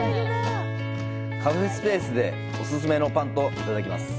カフェスペースでお勧めのパンといただきます。